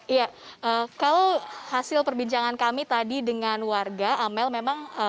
iya kalau hasil perbincangan kami tadi dengan warga amel memang